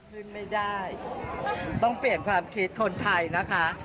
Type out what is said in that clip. ขึ้นไม่ได้ต้องเปลี่ยนความคิดคนไทยนะคะ